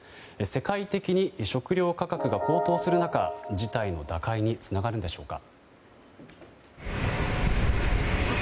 世界的に食料価格が高騰する中、事態の打開につながるんでしょうか。